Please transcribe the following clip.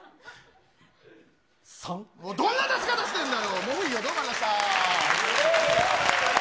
どんな出し方してんだよ。